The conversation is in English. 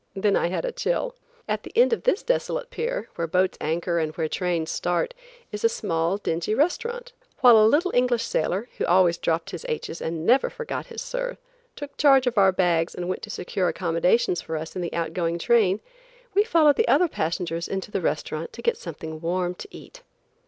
Then I had a chill. At the end of this desolate pier, where boats anchor and where trains start, is a small, dingy restaurant. While a little English sailor, who always dropped his h's and never forgot his "sir," took charge of our bags and went to secure accommodations for us in the outgoing train, we followed the other passengers into the restaurant to get something warm to eat.